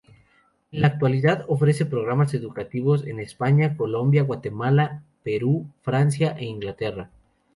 En la actualidad ofrece programas educativos en España, Colombia, Guatemala, Perú, Francia e Inglaterra.